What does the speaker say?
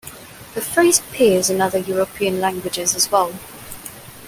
The phrase appears in other European languages as well.